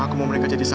aku ingin mencobanya